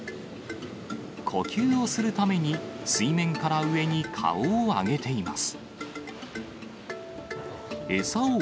呼吸をするために、水面から上に顔を上げています。